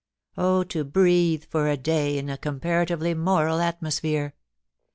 Oh to breathe for a day in a comparatively moral atmos phere